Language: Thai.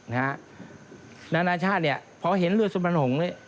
นานาชาตินี่เพราะเห็นรวดสุปรรณหงษ์นี่